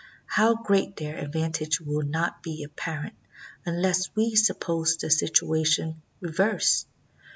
How great their advantage will not be apparent unless we suppose the situation reversed.